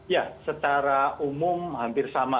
ya secara umum hampir sama